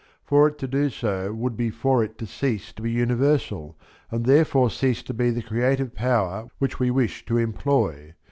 For it to do so would be for it to cease to be universal and therefore cease to be the creative power which we wish to employ.